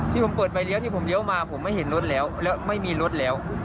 ที่ผมเปิดไฟเลี้ยที่ผมเลี้ยวมาผมไม่เห็นรถแล้วแล้วไม่มีรถแล้ว